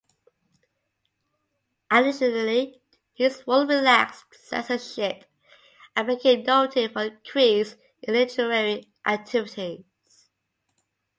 Additionally, his rule relaxed censorship, and became noted for an increase in literary activities.